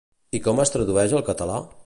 I com es tradueix al català?